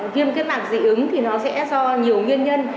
viêm kết mạc dị ứng thì nó sẽ do nhiều nguyên nhân